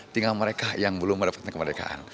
tinggal mereka yang belum mendapatkan kemerdekaan